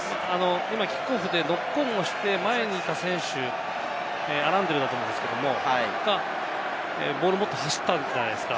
キックオフでノックオンをして前にいた選手、アランデルだと思うんですけれども、ボールを持って走ったじゃないですか。